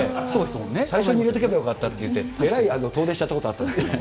最初に入れとけばよかったって、えらい遠出しちゃったことあるんだけど。